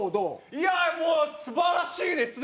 いやあもう素晴らしいですね